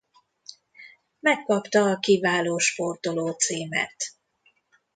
Megkapta a Kiváló Sportoló címet.